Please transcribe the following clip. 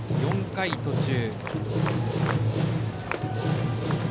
４回途中。